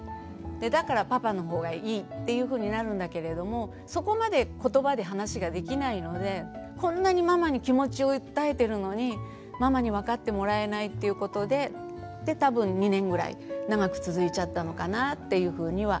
だからパパの方がいいっていうふうになるんだけれどもそこまで言葉で話ができないのでこんなにママに気持ちを訴えてるのにママに分かってもらえないっていうことで多分２年ぐらい長く続いちゃったのかなっていうふうには思うんですよね。